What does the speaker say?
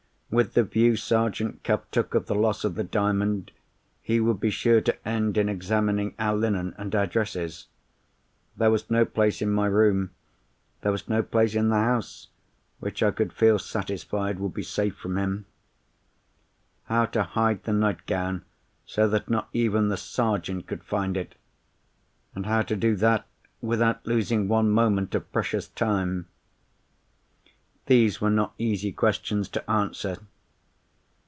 With the view Sergeant Cuff took of the loss of the Diamond, he would be sure to end in examining our linen and our dresses. There was no place in my room—there was no place in the house—which I could feel satisfied would be safe from him. How to hide the nightgown so that not even the Sergeant could find it? and how to do that without losing one moment of precious time?—these were not easy questions to answer.